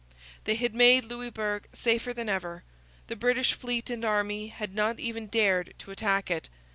They had made Louisbourg safer than ever; the British fleet and army had not even dared to attack it.